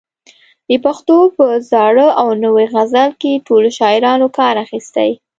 د پښتو په زاړه او نوي غزل کې ټولو شاعرانو کار اخیستی.